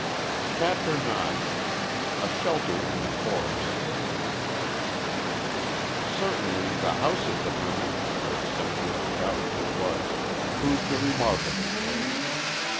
CHAPTER IX A SHELTER IN THE FOREST Certainly the house of the hermit, for such he undoubtedly was, proved a remarkable place.